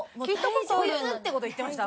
コイツってこと言ってました？